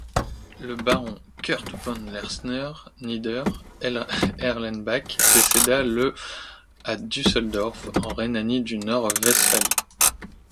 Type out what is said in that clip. Le baron Kurt von Lersner-Nieder Erlenbach décéda le à Düsseldorf, en Rhénanie-du-Nord-Westphalie.